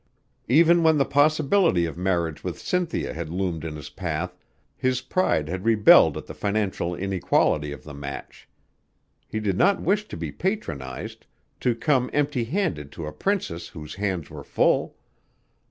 Even when the possibility of marriage with Cynthia had loomed in his path, his pride had rebelled at the financial inequality of the match. He did not wish to be patronized, to come empty handed to a princess whose hands were full.